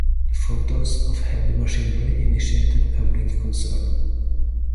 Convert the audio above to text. The photos of heavy machinery initiated public concern.